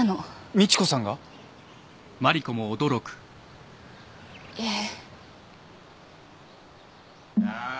美知子さんが！？ええ。